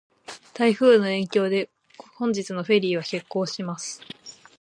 台風の影響で、本日のフェリーは欠航します。